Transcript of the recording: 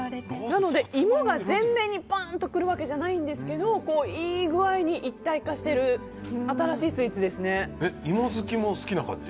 なので、芋が前面にバンと来るわけじゃないんですけどいい具合に一体化している芋好きも好きな感じ？